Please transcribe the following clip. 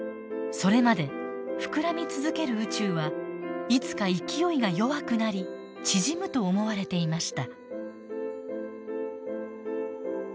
それまで膨らみ続ける宇宙はいつか勢いが弱くなり縮むと思われていました。